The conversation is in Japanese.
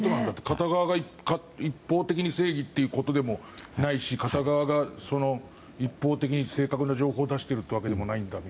片側が一方的に正義ってことでもないし片側が一方的に正確な情報を出しているわけじゃないんだと。